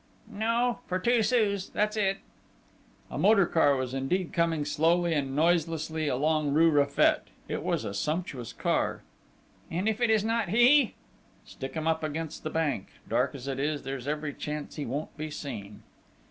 "No for two sous, that's it!" A motor car was indeed coming slowly and noiselessly along rue Raffet: it was a sumptuous car! "And if it is not he?" "Stick him up against the bank ... dark as it is, there's every chance he won't be seen."